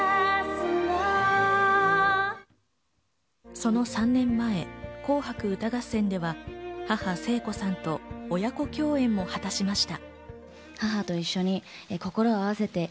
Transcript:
その３年前、『紅白歌合戦』では母・聖子さんと親子共演も果たしました。